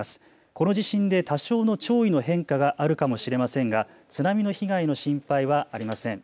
この地震で多少の潮位の変化があるかもしれませんが津波の被害の心配はありません。